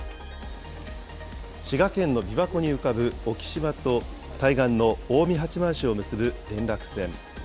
滋賀県のびわ湖に浮かぶ沖島と、対岸の近江八幡市を結ぶ連絡船。